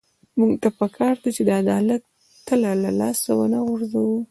موږ ته پکار ده چې د عدالت تله له لاسه ونه غورځوو.